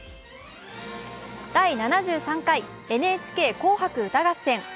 第７３回「ＮＨＫ紅白歌合戦」。